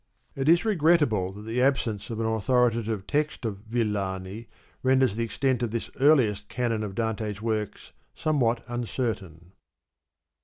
It is regrettable that xiii. the absence of an authoritative text of Villani renders the extent of this earliest canon of Dante's works somewhat uncertain.